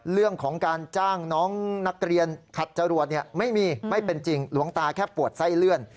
เรื่องของการจ้างน้องนักเรียนขัดจรวดไม่มีไม่เป็นจริงหลวงตาแค่ปวดไส้เลื่อน